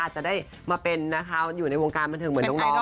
จะได้มาเป็นนะคะอยู่ในวงการบันเทิงเหมือนน้อง